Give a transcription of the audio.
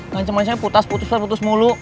kan cuman cuman putas putus putus mulu